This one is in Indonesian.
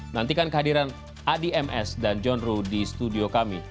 nantikan kehadiran adi ms dan john ruh di studio kami